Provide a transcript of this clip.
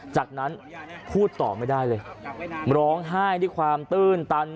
จากนั้นพูดต่อไม่ได้เลยร้องไห้ด้วยความตื้นตัน